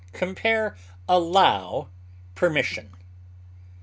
Compare ALLOW; PERMISSION.